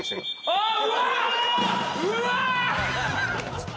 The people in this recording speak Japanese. あっ！